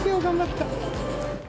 頑張った。